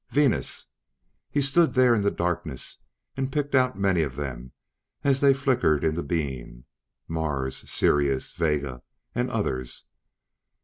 Venus. He stood there in the darkness and picked out many of them as they flickered into being. Mars. Sirius, Vega and others.